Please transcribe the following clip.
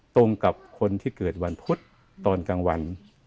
ตรงกับคนที่เกิดวันพุธตอนกลางวัน